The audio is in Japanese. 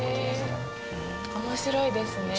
面白いですね。